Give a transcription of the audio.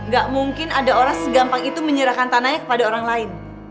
gak mungkin ada orang segampang itu menyerahkan tanahnya kepada orang lain